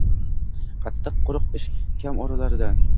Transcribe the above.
— Qattiq-quruq ish kam oralarida.